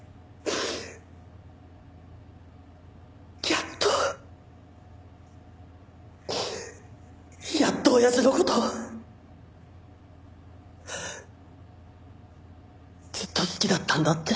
やっとやっと親父の事ずっと好きだったんだって。